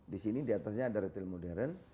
di sini di atasnya ada retail modern